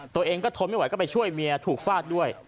ตัวเองก็ทนไม่ไหวก็ไปช่วยเมียถูกฟาดด้วย